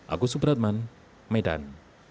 agus subradman medan